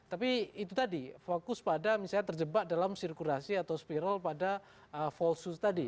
tapi itu tadi fokus pada misalnya terjebak dalam sirkulasi atau spiral pada falsehoos tadi